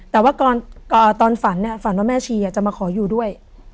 แต่ว่าตอนฝันฝันว่าแม่ชีจะมาขออยู่ด้วย